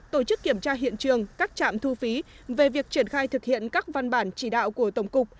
tổ chức kiểm tra hiện trường các trạm thu phí về việc triển khai thực hiện các văn bản chỉ đạo của tổng cục